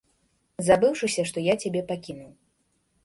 Забыўшыся, што я цябе пакінуў.